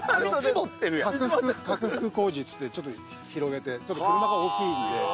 拡幅工事っていってちょっと広げて車が大きいんで。